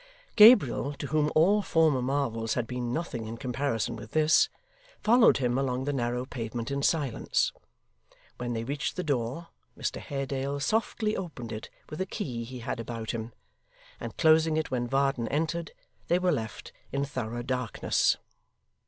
Gabriel, to whom all former marvels had been nothing in comparison with this, followed him along the narrow pavement in silence. When they reached the door, Mr Haredale softly opened it with a key he had about him, and closing it when Varden entered, they were left in thorough darkness.